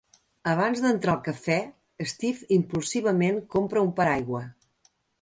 Abans d'entrar al cafè, Steve impulsivament compra un paraigua.